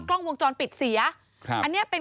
กล้องวงจรปิดเสียครับอันเนี้ยเป็น